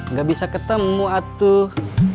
nggak bisa ketemu atuh